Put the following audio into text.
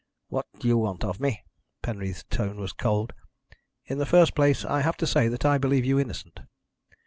"What do you want of me?" Penreath's tone was cold. "In the first place, I have to say that I believe you innocent."